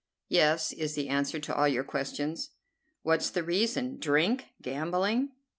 "'Yes' is the answer to all your questions." "What's the reason? Drink? Gambling?"